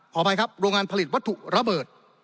อภัยครับโรงงานผลิตวัตถุระเบิด